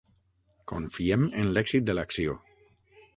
Confiem en l'èxit de l'acció.